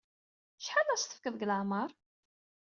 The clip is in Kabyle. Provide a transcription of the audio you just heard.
Acḥal ara as-tefkeḍ deg leɛmeṛ?